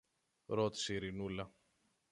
ρώτησε η Ειρηνούλα.